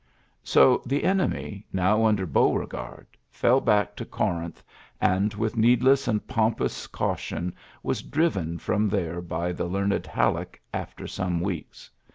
So the enemy, now under Beauregard, fell back to Corinth, and with needless and pompous caution was driven from there by the learned Halleck after some weeks.